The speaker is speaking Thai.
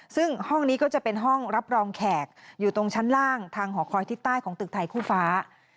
ซึ่งห้องนี้ก็จะเป็นห้องรับรองแขกอยู่ตรงชั้นล่างทางหอคอยทิศใต้ของตึกไทยคู่ฟ้า